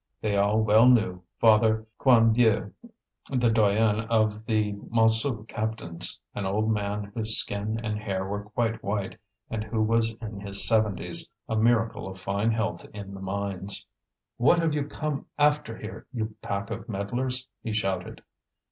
They all well knew Father Quandieu, the doyen of the Montsou captains, an old man whose skin and hair were quite white, and who was in his seventies, a miracle of fine health in the mines. "What have you come after here, you pack of meddlers?" he shouted.